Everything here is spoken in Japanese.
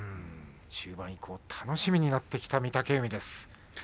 中盤以降楽しみになってきた御嶽海です。